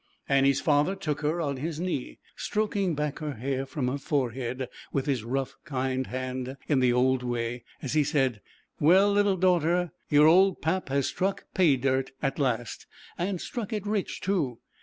Annie's father took her on his knee, stroking back her hair from her forehead, with his rough, kind hand in the old way, as he said: "Well, little daughter, your old Pap has struck 'pay dirt' at last and struck it rich too.